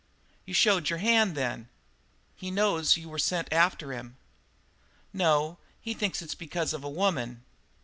"You showed your hand, then? He knows you were sent after him?" "No, he thinks it's because of a woman."